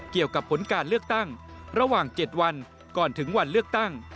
เกี่ยวกับผลการเลือกตั้งระหว่าง๗วันก่อนถึงวันเลือกตั้ง